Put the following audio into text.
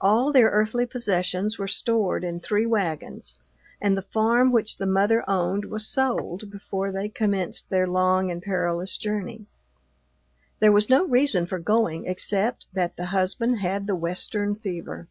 All their earthly possessions were stored in three wagons, and the farm which the mother owned was sold before they commenced their long and perilous journey. There was no reason for going except that the husband had the Western fever.